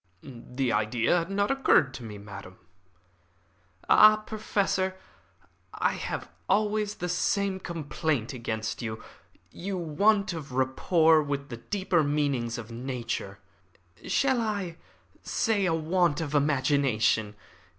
"The idea had not occurred to me, madam." "Ah, Professor, I have always the same complaint against you. A want of rapport with the deeper meanings of nature. Shall I say a want of imagination.